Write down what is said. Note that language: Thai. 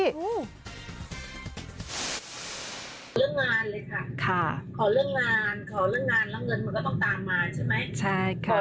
เรื่องงานเลยค่ะค่ะขอเรื่องงานขอเรื่องงานแล้วเงินมันก็ต้องตามมาใช่ไหมใช่ค่ะ